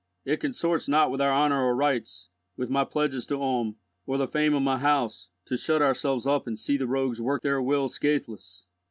"It consorts not with our honour or rights, with my pledges to Ulm, or the fame of my house, to shut ourselves up and see the rogues work their will scatheless.